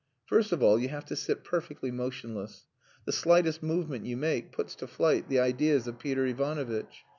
First of all, you have to sit perfectly motionless. The slightest movement you make puts to flight the ideas of Peter Ivanovitch.